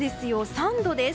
３度です。